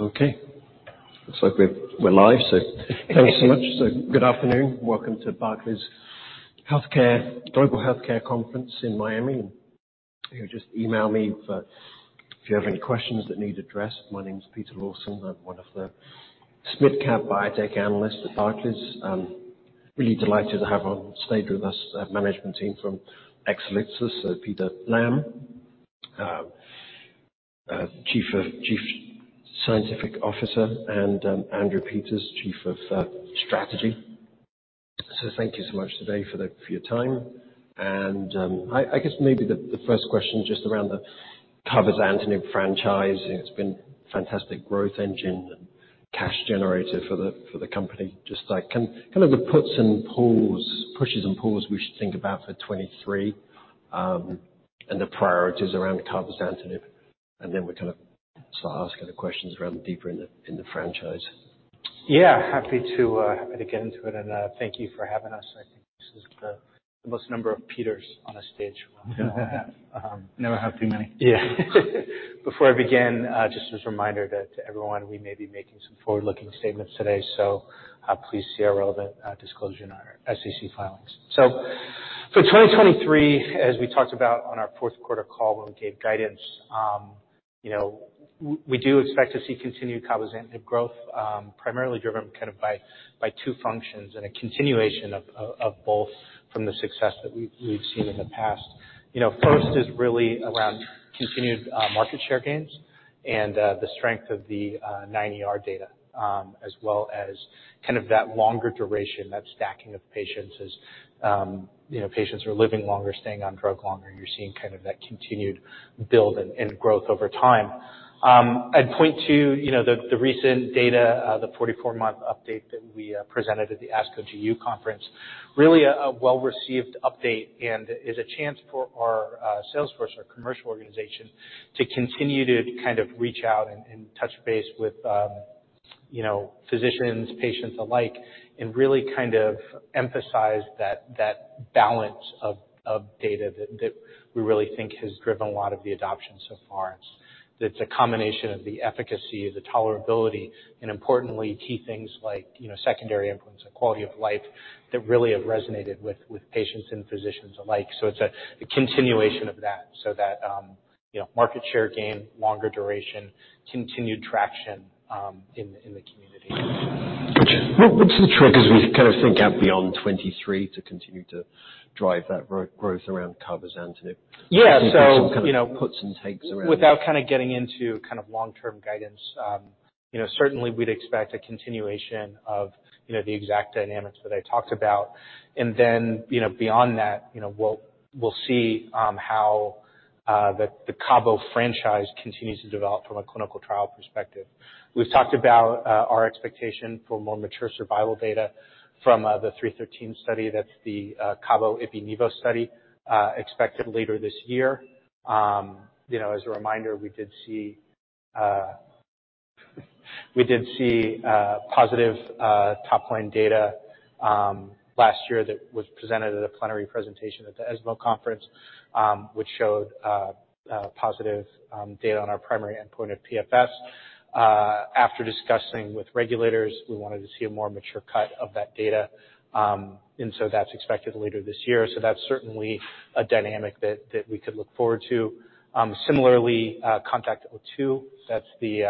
Okay. Looks like we're live, thanks so much. Good afternoon. Welcome to Barclays Global Healthcare Conference in Miami. You can just email me if you have any questions that need addressed. My name is Peter Lawson. I'm one of the mid-cap biotech analysts at Barclays. Really delighted to have on stage with us a management team from Exelixis. Peter Lamb, Chief Scientific Officer, and Andrew Peters, Chief of Strategy. Thank you so much today for your time. I guess maybe the first question just around the cabozantinib franchise. It's been fantastic growth engine and cash generator for the company. Just like, can kind of the puts and pulls, pushes and pulls we should think about for 2023 and the priorities around cabozantinib. We kind of start asking the questions around deeper in the, in the franchise. Yeah, happy to happy to get into it. Thank you for having us. I think this is the most number of Peters on a stage we'll ever have. Never have too many. Yeah. Before I begin, just as a reminder that to everyone we may be making some forward-looking statements today. Please see our relevant disclosure in our SEC filings. For 2023, as we talked about on our Q4 call when we gave guidance, you know, we do expect to see continued cabozantinib growth, primarily driven kind of by 2 functions and a continuation of both from the success that we've seen in the past. You know, first is really around continued market share gains and the strength of the CheckMate 9ER data, as well as kind of that longer duration, that stacking of patients as, you know, patients are living longer, staying on drug longer. You're seeing kind of that continued build and growth over time. I'd point to, you know, the recent data, the 44-month update that we presented at the ASCO GU conference. Really a well-received update is a chance for our sales force, our commercial organization to continue to kind of reach out and touch base with, you know, physicians, patients alike and really kind of emphasize that balance of data that we really think has driven a lot of the adoption so far. It's a combination of the efficacy, the tolerability, and importantly, key things like, you know, secondary endpoints and quality of life that really have resonated with patients and physicians alike. It's a continuation of that. That, you know, market share gain, longer duration, continued traction in the community. What's the triggers we kind of think out beyond 23 to continue to drive that growth around cabozantinib? Yeah. you know- Puts and takes. Without kind of getting into kind of long-term guidance, you know, certainly we'd expect a continuation of, you know, the exact dynamics that I talked about. You know, beyond that, you know, we'll see how the Cabo franchise continues to develop from a clinical trial perspective. We've talked about our expectation for more mature survival data from the COSMIC-313 study. That's the Cabo ipi-nivo study expected later this year. You know, as a reminder, we did see positive top line data last year that was presented at a plenary presentation at the ESMO conference, which showed positive data on our primary endpoint of PFS. After discussing with regulators, we wanted to see a more mature cut of that data. That's expected later this year. That's certainly a dynamic that we could look forward to. Similarly, CONTACT-02, that's the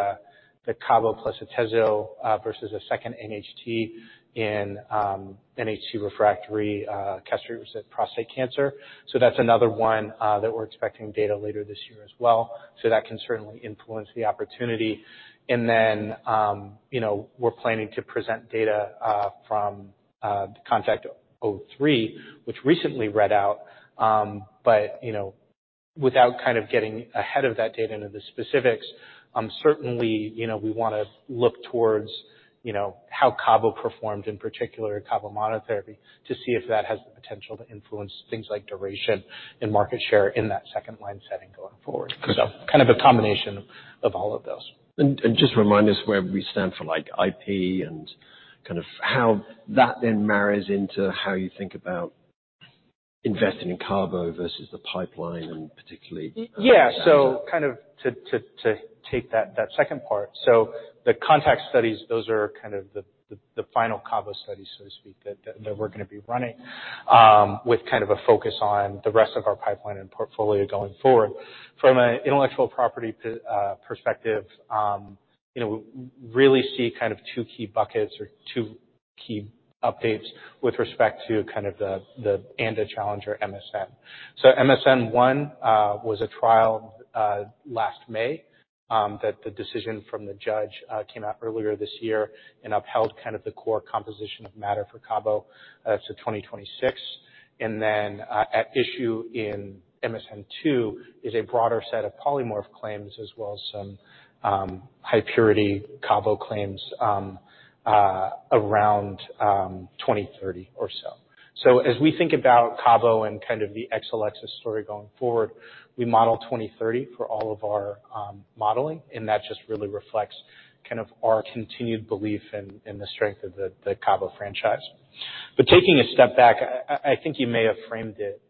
Cabo plus atezo versus a second NHT in NHT refractory castration-resistant prostate cancer. That's another one that we're expecting data later this year as well. That can certainly influence the opportunity. You know, we're planning to present data from CONTACT-03, which recently read out. You know, without kind of getting ahead of that data into the specifics, certainly, you know, we wanna look towards, you know, how Cabo performed, in particular Cabo monotherapy, to see if that has the potential to influence things like duration and market share in that second line setting going forward. Kind of a combination of all of those. Just remind us where we stand for like IP and kind of how that then marries into how you think about investing in cabo versus the pipeline. Yeah. Kind of to take that second part. The CONTACT studies, those are kind of the final Cabo studies, so to speak, that we're gonna be running with kind of a focus on the rest of our pipeline and portfolio going forward. From an intellectual property perspective, you know, we really see kind of two key buckets or two key updates with respect to kind of the ANDA challenge or MSN. MSN One was a trial last May that the decision from the judge came out earlier this year and upheld kind of the core composition of matter for Cabo to 2026. At issue in MSN2 is a broader set of polymorph claims as well as some high purity Cabo claims around 2030 or so. As we think about Cabo and kind of the Exelixis story going forward, we model 2030 for all of our modeling, and that just really reflects kind of our continued belief in the strength of the Cabo franchise. Taking a step back, I think you may have framed it,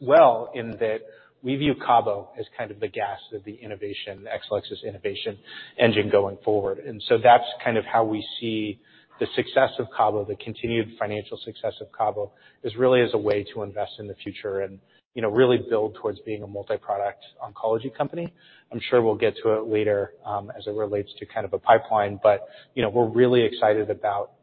Well, in that we view Cabo as kind of the gas of the innovation, the Exelixis innovation engine going forward. That's kind of how we see the success of Cabo, the continued financial success of Cabo, is really as a way to invest in the future and, you know, really build towards being a multi-product oncology company. I'm sure we'll get to it later, as it relates to kind of a pipeline, but, you know, we're really excited about, you know,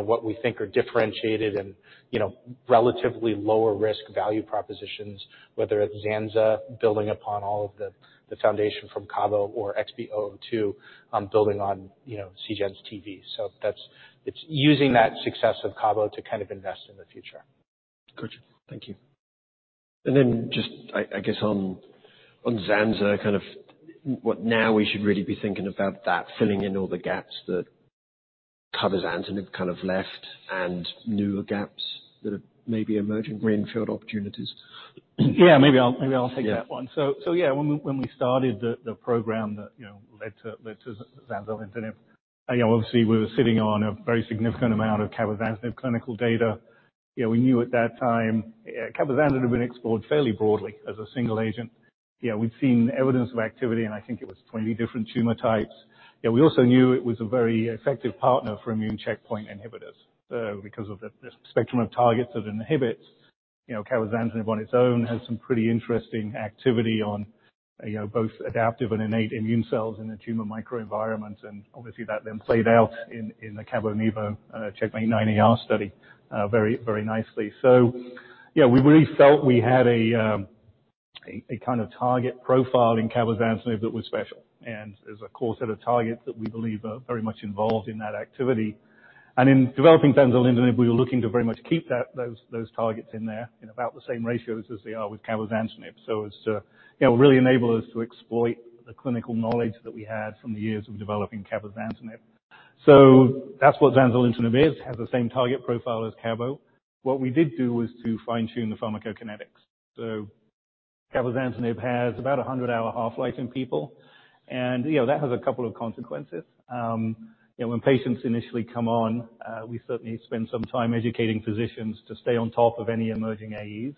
what we think are differentiated and, you know, relatively lower risk value propositions, whether it's ZANZA building upon all of the foundation from Cabo or XB002, building on, you know, Seagen's Tivdak. It's using that success of Cabo to kind of invest in the future. Gotcha. Thank you. Just I guess on zanzalintinib kind of what now we should really be thinking about that filling in all the gaps that Cabo antineoplastic kind of left and newer gaps that are maybe emerging brain field opportunities. Yeah. Maybe I'll take that one. Yeah, when we started the program that, you know, led to zanzalintinib, you know, obviously we were sitting on a very significant amount of cabozantinib clinical data. You know, we knew at that time, cabozantinib had been explored fairly broadly as a single agent. You know, we'd seen evidence of activity, and I think it was 20 different tumor types. You know, we also knew it was a very effective partner for immune checkpoint inhibitors, because of the spectrum of targets it inhibits. You know, cabozantinib on its own has some pretty interesting activity on, you know, both adaptive and innate immune cells in the tumor microenvironment, and obviously that then played out in the Cabo-nivo CheckMate-9ER study very nicely. We really felt we had a kind of target profile in cabozantinib that was special. There's a core set of targets that we believe are very much involved in that activity. In developing zanzalintinib, we were looking to very much keep those targets in there in about the same ratios as they are with cabozantinib. It's to, you know, really enable us to exploit the clinical knowledge that we had from the years of developing cabozantinib. That's what zanzalintinib is, has the same target profile as Cabo. What we did do was to fine-tune the pharmacokinetics. Cabozantinib has about a 100-hour half-life in people, and you know, that has a couple of consequences. You know, when patients initially come on, we certainly spend some time educating physicians to stay on top of any emerging AEs.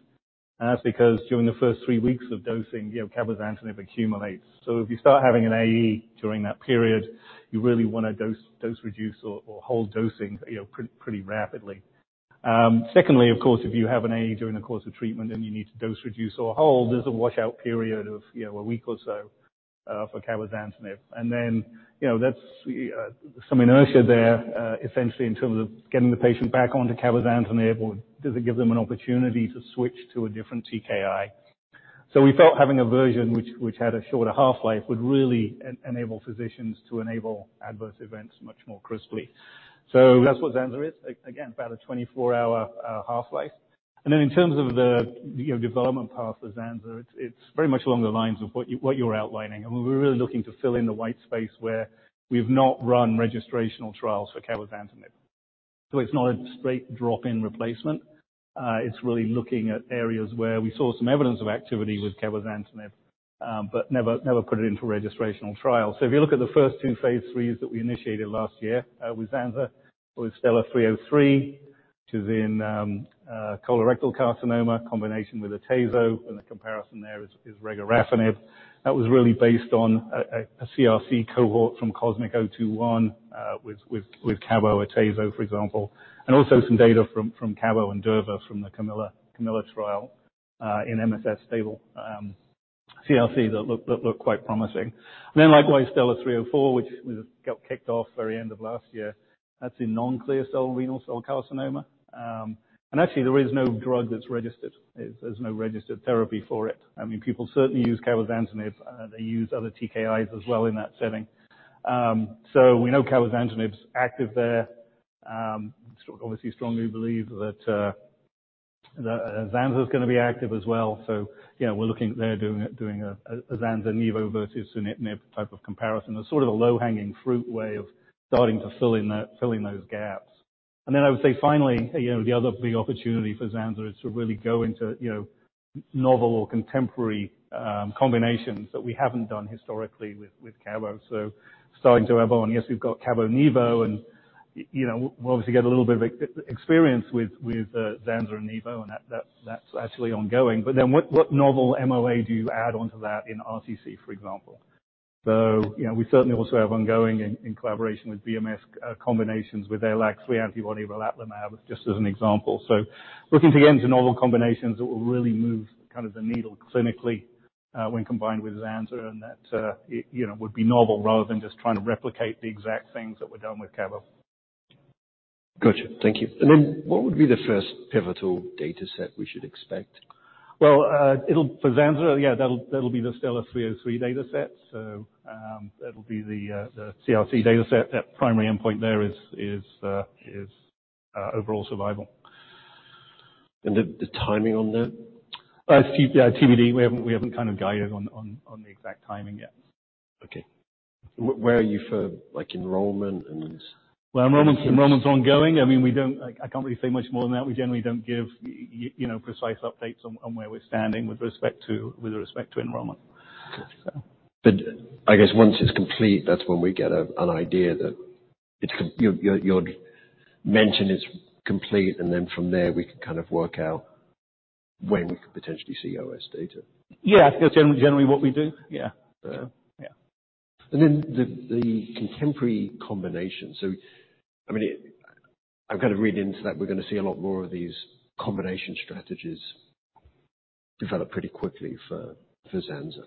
That's because during the first three weeks of dosing, you know, cabozantinib accumulates. If you start having an AE during that period, you really wanna dose reduce or hold dosing, you know, pretty rapidly. Secondly, of course, if you have an AE during the course of treatment, you need to dose reduce or hold, there's a washout period of, you know, one week or so for cabozantinib. You know, that's some inertia there essentially in terms of getting the patient back onto cabozantinib or does it give them an opportunity to switch to a different TKI. We felt having a version which had a shorter half-life, would really enable physicians to enable adverse events much more crisply. That's what ZANZA is, again, about a 24-hour half-life. In terms of the, you know, development path for ZANZA, it's very much along the lines of what you, what you're outlining. We're really looking to fill in the white space where we've not run registrational trials for cabozantinib. It's not a straight drop-in replacement. It's really looking at areas where we saw some evidence of activity with cabozantinib, but never put it into a registrational trial. If you look at the first two phase IIIs that we initiated last year, with ZANZA or with STELLAR-303, which is in colorectal carcinoma combination with atezo, and the comparison there is regorafenib, that was really based on a CRC cohort from COSMIC-021, with Cabo/atezo, for example, and also some data from Cabo and Durva from the CAMILLA trial, in MSS stable CRC that looked quite promising. Likewise, STELLAR-304, which we got kicked off very end of last year. That's in non-clear cell renal cell carcinoma. Actually, there is no drug that's registered. There's no registered therapy for it. I mean, people certainly use cabozantinib. They use other TKIs as well in that setting. We know cabozantinib's active there. obviously strongly believe that ZANZA is gonna be active as well. Yeah, we're looking at there doing a ZANZA-nivo versus sunitinib type of comparison. There's sort of a low-hanging fruit way of starting to fill in the filling those gaps. I would say finally, you know, the other big opportunity for ZANZA is to really go into, you know, novel or contemporary combinations that we haven't done historically with Cabo. Starting to elbow, and yes, we've got Cabo-nivo and, you know, we'll obviously get a little bit of experience with ZANZA and nivo, and that's actually ongoing. What novel MOA do you add onto that in RCC, for example? You know, we certainly also have ongoing in collaboration with BMS, combinations with LAG-3 antibody relatlimab, just as an example. Looking to get into novel combinations that will really move kind of the needle clinically, when combined with ZANZA, and that, you know, would be novel rather than just trying to replicate the exact things that were done with Cabo. Gotcha. Thank you. What would be the first pivotal data set we should expect? It'll For ZANZA, yeah, that'll be the STELLAR-303 data set. That'll be the CRC data set. That primary endpoint there is overall survival. The timing on that? It's TBD. We haven't kind of guided on the exact timing yet. Okay. where are you for like enrollment and- Well, enrollment's ongoing. I mean, we don't. I can't really say much more than that. We generally don't give you know, precise updates on where we're standing with respect to enrollment. So. I guess once it's complete, that's when we get an idea. You're Mention it's complete, and then from there, we can kind of work out when we could potentially see OS data. Yeah. That's generally what we do. Yeah. Yeah. Yeah. The contemporary combination. I mean, I've got to read into that. We're gonna see a lot more of these combination strategies develop pretty quickly for ZANZA.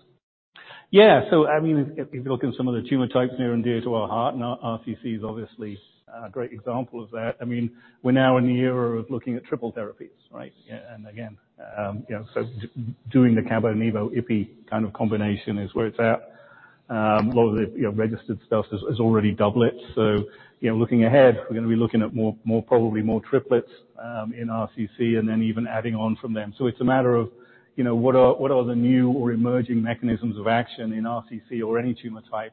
I mean, if you look in some of the tumor types near and dear to our heart, RCC is obviously a great example of that. I mean, we're now in the era of looking at triple therapies, right? Again, you know, doing the Cabo-nivo-ipilimumab kind of combination is where it's at. A lot of the, you know, registered stuff is, has already double it. You know, looking ahead, we're gonna be looking at more, probably more triplets, in RCC and then even adding on from them. It's a matter of, you know, what are the new or emerging mechanisms of action in RCC or any tumor type,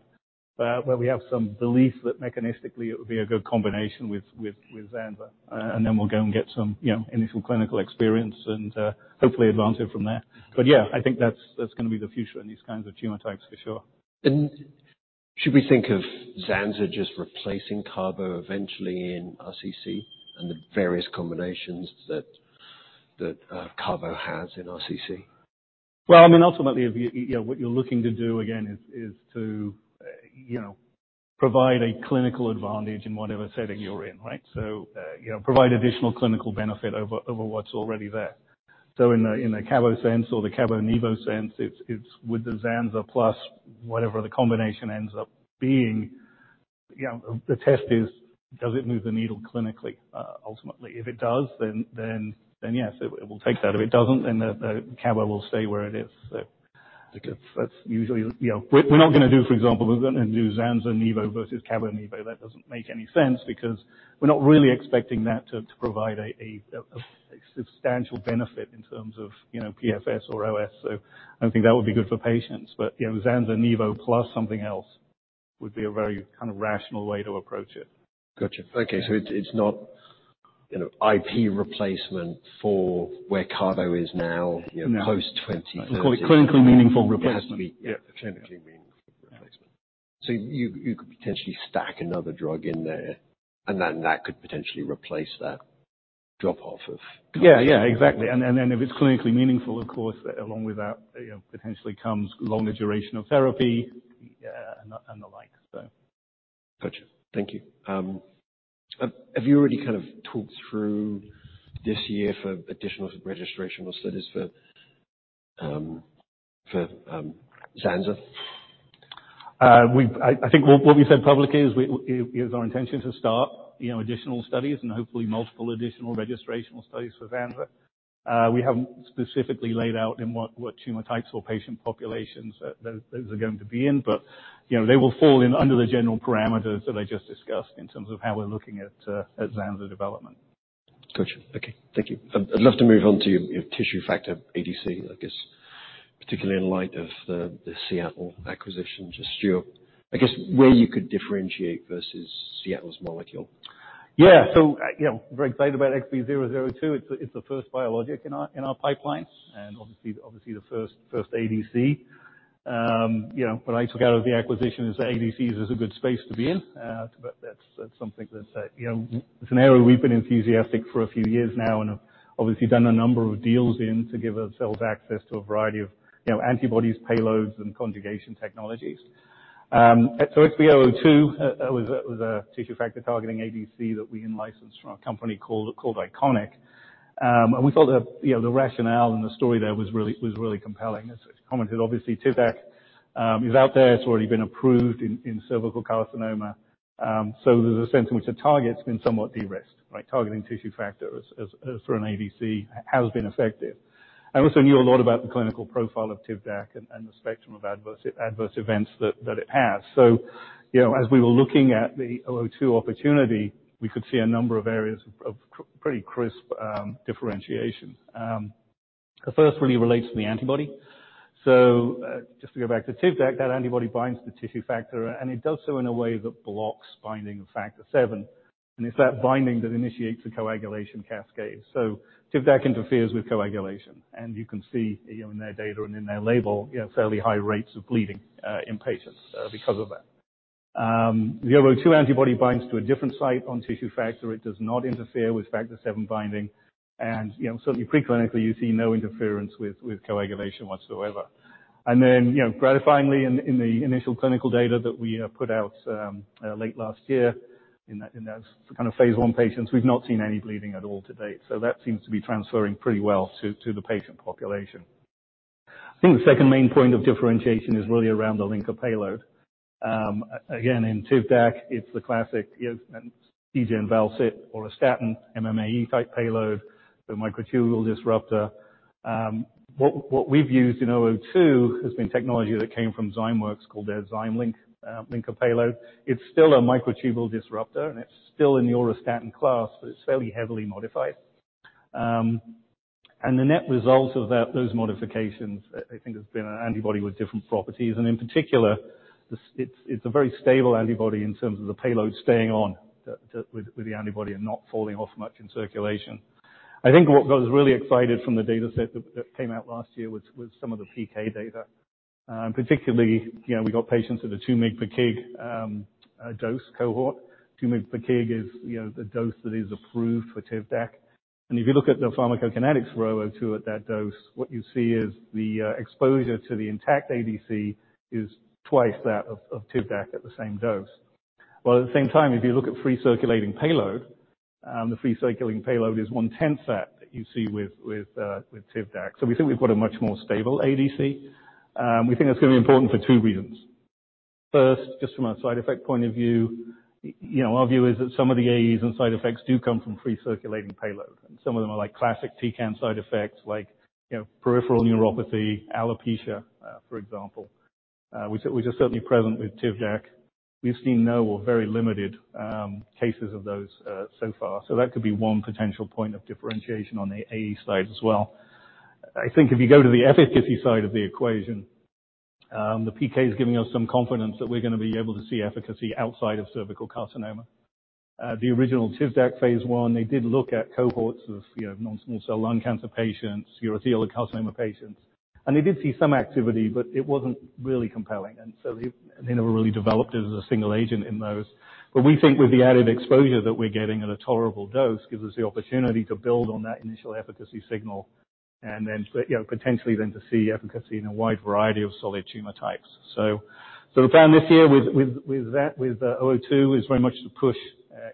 where we have some belief that mechanistically it would be a good combination with ZANZA, and then we'll go and get some, you know, initial clinical experience and, hopefully advance it from there. Yeah, I think that's gonna be the future in these kinds of tumor types for sure. Should we think of ZANZA just replacing Cabo eventually in RCC and the various combinations that Cabo has in RCC? Well, I mean, ultimately, you know, what you're looking to do again is to, you know, provide a clinical advantage in whatever setting you're in, right? You know, provide additional clinical benefit over what's already there. In the Cabo sense, or the Cabo-nivo sense, it's with the ZANZA plus whatever the combination ends up being. You know, the test is, does it move the needle clinically, ultimately? If it does, then yes, it will take that. If it doesn't, then the Cabo will stay where it is. That's usually. You know, we're not gonna do, for example, we're gonna do ZANZA/nivo versus Cabo/nivo. That doesn't make any sense because we're not really expecting that to provide a substantial benefit in terms of, you know, PFS or OS. I don't think that would be good for patients. You know, Zanza/nivo plus something else would be a very kind of rational way to approach it. Gotcha. Okay. It's not, you know, IP replacement for where Cabo is now- No. You know, post 2030. Call it clinical meaningful replacement. It has to be. Yeah. Clinically meaningful replacement. You could potentially stack another drug in there, and then that could potentially replace that drop off... Yeah. Exactly. If it's clinically meaningful, of course, along with that, you know, potentially comes longer durational therapy, and the like. Gotcha. Thank you. Have you already kind of talked through this year for additional registrational studies for zanzalintinib? I think what we've said publicly is it is our intention to start, you know, additional studies and hopefully multiple additional registrational studies for ZANZA. We haven't specifically laid out in what tumor types or patient populations that those are going to be in, but, you know, they will fall in under the general parameters that I just discussed in terms of how we're looking at at ZANZA development. Gotcha. Okay. Thank you. I'd love to move on to your tissue factor ADC, I guess particularly in light of the Seagen acquisition. I guess, where you could differentiate versus Seagen's molecule? You know, very excited about XB002. It's the first biologic in our pipeline, and obviously the first ADC. You know, what I took out of the acquisition is that ADCs is a good space to be in. But that's something that's, you know, it's an area we've been enthusiastic for a few years now and have obviously done a number of deals in to give ourselves access to a variety of, you know, antibodies, payloads, and conjugation technologies. So XB002 was a tissue factor targeting ADC that we in-licensed from a company called Iconic. And we thought that, you know, the rationale and the story there was really compelling. As commented, obviously Tivdak is out there. It's already been approved in cervical carcinoma. There's a sense in which the target's been somewhat de-risked. Like, targeting tissue factor as for an ADC has been effective. I also knew a lot about the clinical profile of Tivdak and the spectrum of adverse events that it has. You know, as we were looking at the XB002 opportunity, we could see a number of areas of pretty crisp differentiation. The first really relates to the antibody. Just to go back to Tivdak, that antibody binds the tissue factor, and it does so in a way that blocks binding of factor VII. It's that binding that initiates a coagulation cascade. Tivdak interferes with coagulation, and you can see, you know, in their data and in their label, you know, fairly high rates of bleeding in patients because of that. The 02 antibody binds to a different site on tissue factor. It does not interfere with factor VII binding, you know, certainly preclinically, you see no interference with coagulation whatsoever. You know, gratifyingly in the initial clinical data that we put out late last year in that, in those kind of phase I patients, we've not seen any bleeding at all to date. That seems to be transferring pretty well to the patient population. I think the second main point of differentiation is really around the linker payload. Again, in Tivdak, it's the classic, you know, pegylated val-cit auristatin MMAE-type payload, the microtubule disruptor. What we've used in 02 has been technology that came from Zymeworks called the ZymeLink linker payload. It's still a microtubule disruptor, and it's still in the auristatin class, but it's fairly heavily modified. The net result of that, those modifications, I think has been an antibody with different properties, and in particular, it's a very stable antibody in terms of the payload staying on with the antibody and not falling off much in circulation. I think what got us really excited from the data set that came out last year was some of the PK data. Particularly, you know, we got patients with a 2 mg/kg dose cohort. 2 mg/kg is, you know, the dose that is approved for Tivdak. If you look at the pharmacokinetics for XB002 at that dose, what you see is the exposure to the intact ADC is 2x that of Tivdak at the same dose. While at the same time, if you look at free circulating payload, the free circulating payload is 1/10 that you see with Tivdak. We think we've got a much more stable ADC. We think that's gonna be important for two reasons. First, just from a side effect point of view, you know, our view is that some of the AEs and side effects do come from free circulating payload, and some of them are like classic taxane side effects, like, you know, peripheral neuropathy, alopecia, for example. Which are certainly present with Tivdak. We've seen no or very limited cases of those so far, so that could be one potential point of differentiation on the AE side as well. I think if you go to the efficacy side of the equation, the PK is giving us some confidence that we're gonna be able to see efficacy outside of cervical carcinoma. The original Tivdak phase I, they did look at cohorts of, you know, non-small cell lung cancer patients, urothelial carcinoma patients, and they did see some activity, but it wasn't really compelling, and they never really developed it as a single agent in those. We think with the added exposure that we're getting at a tolerable dose gives us the opportunity to build on that initial efficacy signal and then, you know, potentially then to see efficacy in a wide variety of solid tumor types. The plan this year with that, with XB002 is very much to push,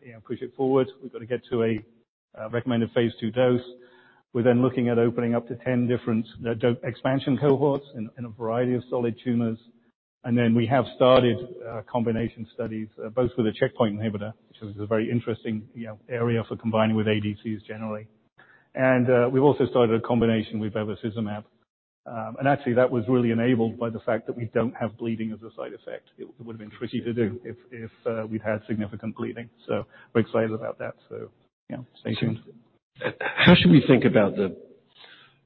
you know, push it forward. We've got to get to a recommended phase II dose. We're then looking at opening up to 10 different expansion cohorts in a variety of solid tumors. We have started combination studies both with a checkpoint inhibitor, which is a very interesting, you know, area for combining with ADCs generally. We've also started a combination with bevacizumab. Actually that was really enabled by the fact that we don't have bleeding as a side effect. It would've been tricky to do if we'd had significant bleeding. We're excited about that. Yeah. Stay tuned. How should we think about the,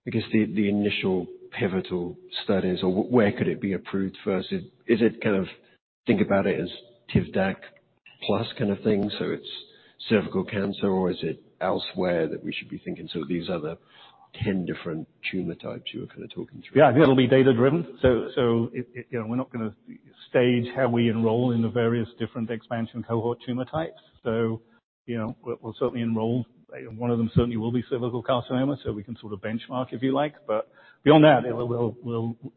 I guess, the initial pivotal studies, or where could it be approved first? Is it kind of think about it as Tivdak plus kind of thing, so it's cervical cancer, or is it elsewhere that we should be thinking sort of these other 10 different tumor types you were kind of talking through? Yeah, I think it'll be data driven. It, you know, we're not gonna stage how we enroll in the various different expansion cohort tumor types. You know, we'll certainly enroll. One of them certainly will be cervical carcinoma, so we can sort of benchmark, if you like. Beyond that, it will.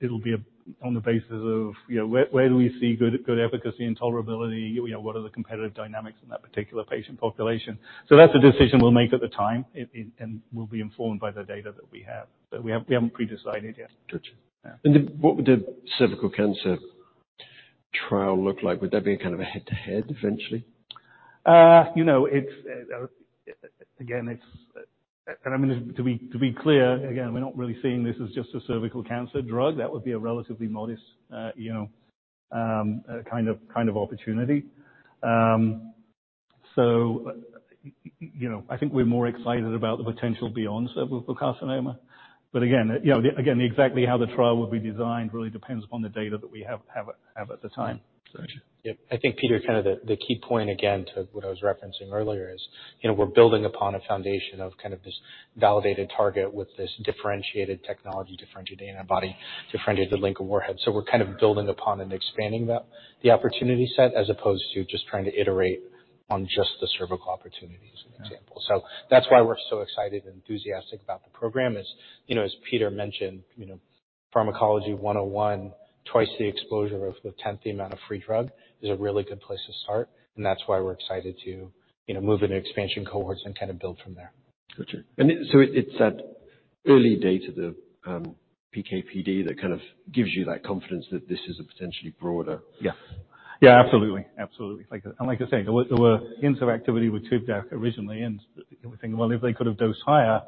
It'll be a on the basis of, you know, where do we see good efficacy and tolerability? You know, what are the competitive dynamics in that particular patient population? That's a decision we'll make at the time it and we'll be informed by the data that we have. We haven't pre-decided yet. Gotcha. Yeah. What would the cervical cancer trial look like? Would that be kind of a head-to-head eventually? You know, it's again, to be clear, again, we're not really seeing this as just a cervical cancer drug. That would be a relatively modest, you know, kind of opportunity. You know, I think we're more excited about the potential beyond cervical carcinoma. Again, you know, again, exactly how the trial will be designed really depends upon the data that we have at the time. Gotcha. Yep. I think Peter, kind of the key point again to what I was referencing earlier is, you know, we're building upon a foundation of kind of this validated target with this differentiated technology, differentiated antibody, differentiated linker warhead. We're kind of building upon and expanding the opportunity set as opposed to just trying to iterate on just the cervical opportunity, as an example. Yeah. That's why we're so excited and enthusiastic about the program is, you know, as Peter mentioned, you know, Pharmacology 101, twice the exposure of the one-tenth amount of free drug is a really good place to start, and that's why we're excited to, you know, move into expansion cohorts and kind of build from there. Gotcha. It's that early data, the PK/PD, that kind of gives you that confidence that this is a potentially broader- Yeah. Yeah. Absolutely. Like I say, there were, there were hints of activity with Tivdak originally, and we think, "Well, if they could have dosed higher,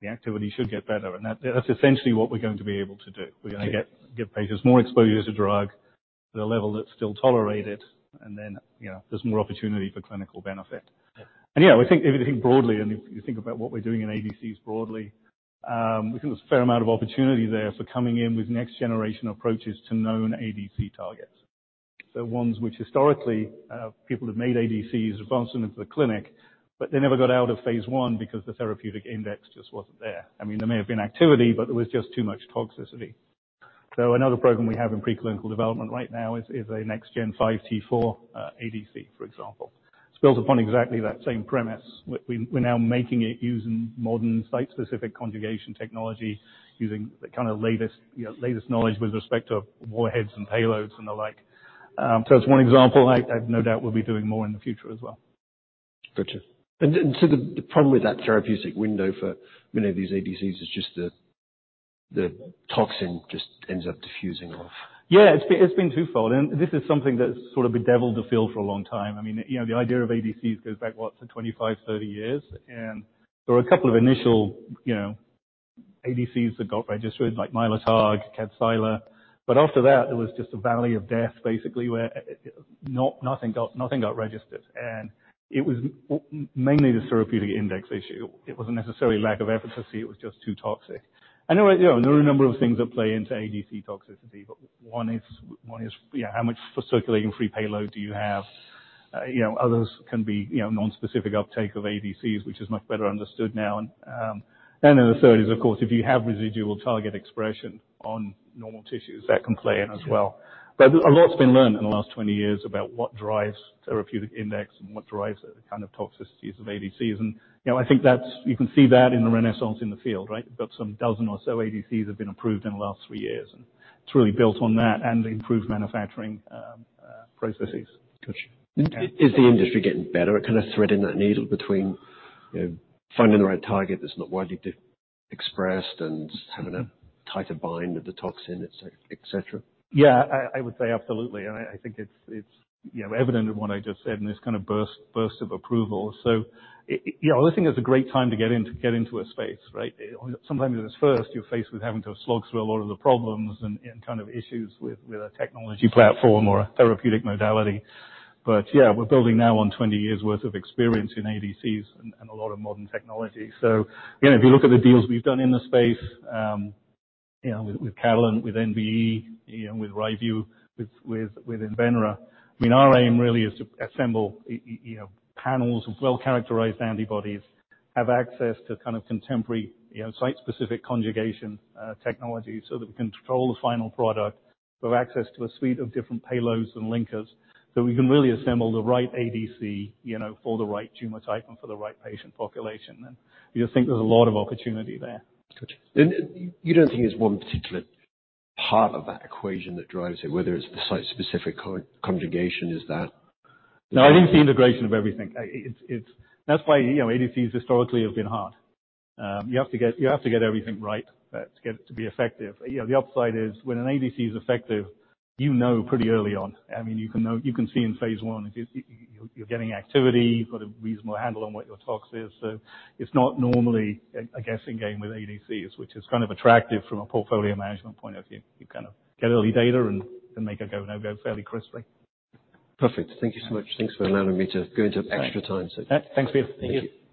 the activity should get better." That, that's essentially what we're going to be able to do. Okay. We're gonna get patients more exposure to drug at a level that's still tolerated, and then, you know, there's more opportunity for clinical benefit. Yeah. Yeah, we think, if you think broadly, and if you think about what we're doing in ADCs broadly, we think there's a fair amount of opportunity there for coming in with next generation approaches to known ADC targets. The ones which historically, people have made ADCs, advanced them into the clinic, but they never got out of phase I because the therapeutic index just wasn't there. I mean, there may have been activity, but there was just too much toxicity. Another program we have in preclinical development right now is a next-gen 5T4 ADC, for example. It's built upon exactly that same premise. We're now making it using modern site-specific conjugation technology, using the kind of latest, you know, latest knowledge with respect to warheads and payloads and the like. That's one example. I've no doubt we'll be doing more in the future as well. Gotcha. The problem with that therapeutic window for many of these ADCs is just the toxin just ends up diffusing off. Yeah. It's been twofold, this is something that's sort of bedeviled the field for a long time. I mean, you know, the idea of ADCs goes back, what? To 25-30 years. There were a couple of initial, you know, ADCs that got registered, like Mylotarg, Kadcyla. After that, it was just a valley of death, basically, where nothing got registered. It was mainly the therapeutic index issue. It wasn't necessarily lack of efficacy, it was just too toxic. I know, you know, there are a number of things that play into ADC toxicity, but one is, you know, how much circulating free payload do you have? You know, others can be, you know, non-specific uptake of ADCs, which is much better understood now. The third is, of course, if you have residual target expression on normal tissues, that can play in as well. Yeah. A lot's been learned in the last 20 years about what drives therapeutic index and what drives the kind of toxicities of ADCs. You know, you can see that in the renaissance in the field, right? We've got some dozen or so ADCs have been approved in the last three years, and it's really built on that and the improved manufacturing processes. Gotcha. Is the industry getting better at kinda threading that needle between, you know, finding the right target that's not widely expressed and having a tighter bind with the toxin, et cetera? Yeah. I would say absolutely, and I think it's, you know, evident in what I just said and this kind of burst of approval. Yeah, I think it's a great time to get in, to get into a space, right? Sometimes when it's first, you're faced with having to slog through a lot of the problems and kind of issues with a technology platform or a therapeutic modality. Yeah, we're building now on 20 years' worth of experience in ADCs and a lot of modern technology. You know, if you look at the deals we've done in the space, you know, with Catalent, with NBE, you know, with Ryvu, with Invenra. I mean, our aim really is to assemble you know, panels of well-characterized antibodies, have access to kind of contemporary, you know, site-specific conjugation technology so that we can control the final product. We have access to a suite of different payloads and linkers, so we can really assemble the right ADC, you know, for the right tumor type and for the right patient population. We just think there's a lot of opportunity there. Gotcha. You don't think there's one particular part of that equation that drives it, whether it's the site-specific conjugation? No, I think it's the integration of everything. It's—that's why, you know, ADCs historically have been hard. You have to get, you have to get everything right to get it to be effective. You know, the upside is when an ADC is effective, you know pretty early on. I mean, you can know. You can see in phase I if you're getting activity, you've got a reasonable handle on what your tox is. So it's not normally a guessing game with ADCs, which is kind of attractive from a portfolio management point of view. You kind of get early data and make a go, no-go fairly crisply. Perfect. Thank you so much. Thanks for allowing me to go into extra time, so. Yeah. Thanks, Pete. Thank you. Thank you.